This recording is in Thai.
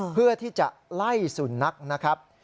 เพื่อที่จะไล่สุนัขนะครับ